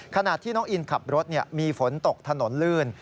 ขณะที่น้องอินขับรถมีฝนตกถนนลื่น